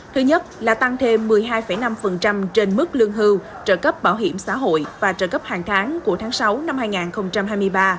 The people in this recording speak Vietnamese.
thứ nhất là tăng thêm một mươi hai năm trên mức lương hưu trợ cấp bảo hiểm xã hội và trợ cấp hàng tháng của tháng sáu năm hai nghìn hai mươi ba